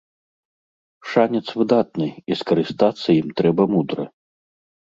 Шанец выдатны, і скарыстацца ім трэба мудра.